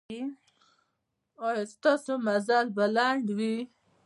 ایا ستاسو مزل به لنډ وي؟